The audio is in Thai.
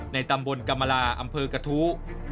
ตำบลกรรมลาอำเภอกระทู้